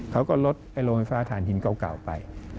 เขาก็ลดโรงไฟฟ้าฐานหินเก่าไป